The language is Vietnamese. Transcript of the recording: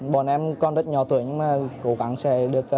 bọn em còn rất nhỏ tuổi nhưng mà cố gắng sẽ được